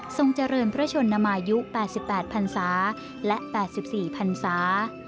เจริญพระชนนมายุ๘๘พันศาและ๘๔พันศา